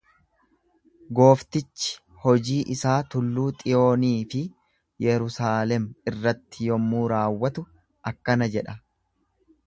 Gooftichi hojii isaa tulluu Xiyoonii fi Yerusaalem irratti yommuu raawwatu akkana jedha.